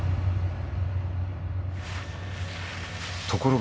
ところが。